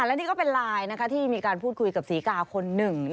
และนี่ก็เป็นไลน์ที่มีการพูดคุยกับศรีกาคนหนึ่ง